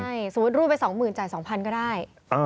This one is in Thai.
ใช่สมมุติรูดไปสองหมื่นจ่ายสองพันก็ได้